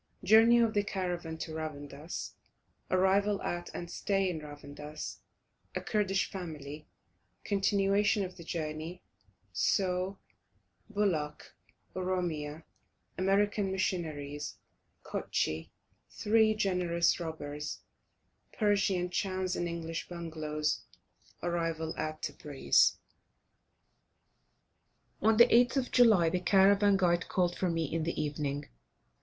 JOURNEY OF THE CARAVAN TO RAVANDUS ARRIVAL AT AND STAY IN RAVANDUS A KURDISH FAMILY CONTINUATION OF THE JOURNEY SAUH BULAK OROMIA AMERICAN MISSIONARIES KUTSCHIE THREE GENEROUS ROBBERS PERSIAN CHANS AND ENGLISH BUNGALOWS ARRIVAL AT TEBRIS. On the 8th of July the caravan guide called for me in the evening.